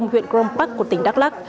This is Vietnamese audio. huyện grom park của tỉnh đắk lắc